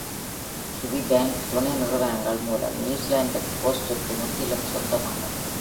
Kiwibank துணை நிறுவனங்கள் மூலம் நியூசிலாந்து போஸ்டுக்கு முற்றிலும் சொந்தமானது